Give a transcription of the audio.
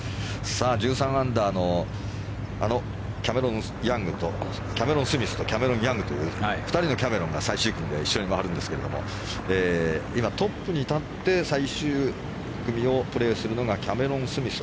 さあ、１３アンダーのキャメロン・スミスとキャメロン・ヤングという２人のキャメロンが最終組で一緒に回るんですけども今、トップに立って最終組でプレーするのがキャメロン・スミス